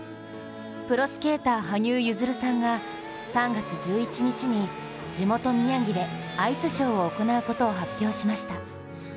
プロスケーター・羽生結弦さんが３月１１日に地元・宮城でアイスショーを行うことを発表しました。